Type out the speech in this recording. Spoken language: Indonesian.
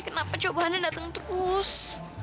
kenapa jawabannya datang terus